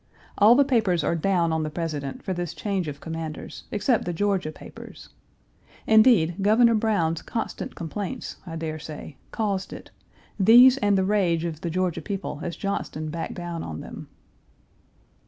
All the papers are down on the President for this change of commanders except the Georgia papers. Indeed, Governor Brown's constant complaints, I dare say, caused it these and the rage of the Georgia people as Johnston backed down on them.